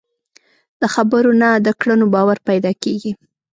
د خبرو نه، د کړنو باور پیدا کېږي.